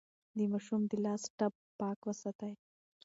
د ماشوم د لاس ټپ پاک وساتئ.